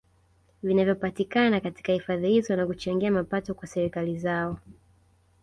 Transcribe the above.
Vinavyopatikana katika hifadhi hizo na kuchangia mapato kwa serikali zao